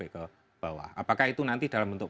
ke bawah apakah itu nanti dalam bentuk